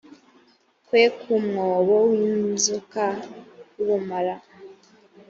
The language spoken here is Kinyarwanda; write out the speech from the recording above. kwe ku mwobo w inzoka y ubumara